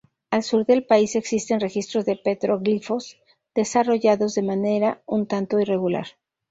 Al sur del país existen registros de petroglifos desarrollados de manera un tanto irregular.